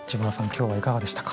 今日はいかがでしたか？